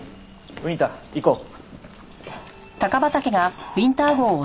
ウィンター行こう。